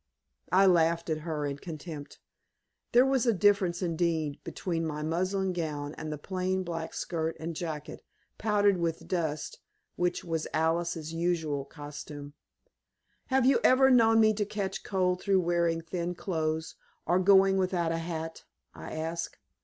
I laughed at her in contempt. There was a difference indeed between my muslin gown and the plain black skirt and jacket, powdered with dust, which was Alice's usual costume. "Have you ever known me to catch cold through wearing thin clothes or going without a hat?" I asked.